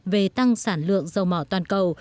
về tăng sản lượng dầu mỏ toàn cầu